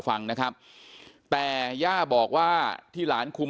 เป็นมีดปลายแหลมยาวประมาณ๑ฟุตนะฮะที่ใช้ก่อเหตุ